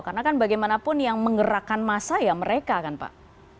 karena kan bagaimanapun yang menggerakkan massa ya mereka kan pak